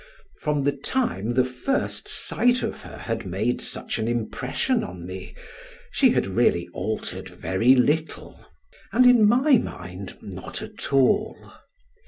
From the time the first sight of her had made such an impression on me, she had really altered very little, and, in my mind, not at all.